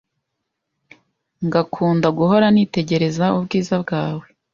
ngakunda guhora nitegereza ubwiza bwawe